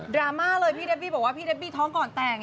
ราม่าเลยพี่เดบบี้บอกว่าพี่เดบี้ท้องก่อนแต่ง